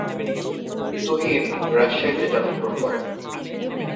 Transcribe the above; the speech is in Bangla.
তুহিন রাজশাহীতে জন্মগ্রহণ করেন।